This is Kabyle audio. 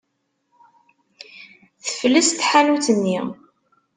Tefles tḥanut-nni.